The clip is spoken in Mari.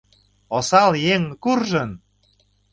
Осал еҥ куржын!»